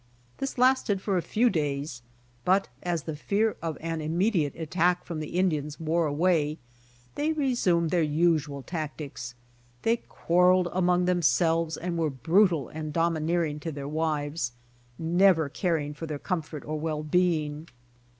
This lasted for a few days, but as the fear of an immediate attack from the Indians wore away they resumed their usual tactics. They quarreled among themselves and were brutal and domineering to their wives, never caring for their comfort or well being.